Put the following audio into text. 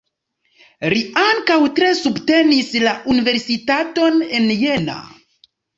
Li ankaŭ tre subtenis la Universitaton en Jena.